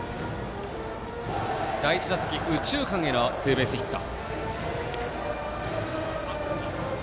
第１打席、右中間へのツーベースヒット。